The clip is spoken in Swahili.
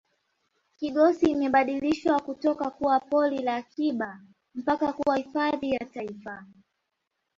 kigosi imebadilishwa kutoka kuwa pori la akiba mpaka kuwa hifadhi ya taifa